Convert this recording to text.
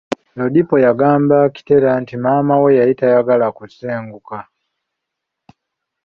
Lodipo y'agamba Akitela nti maama we yali tayagala kusenguka.